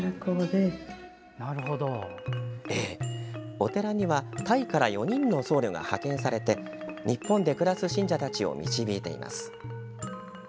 お寺にはタイから４人の僧侶が派遣され日本で暮らす信者たちを導いています。